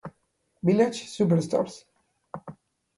Village Superstars